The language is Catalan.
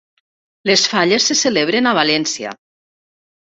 Les falles se celebren a València.